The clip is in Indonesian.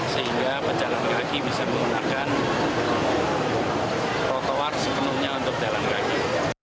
sehingga pejalan kaki bisa menggunakan trotoar sepenuhnya untuk jalan kaki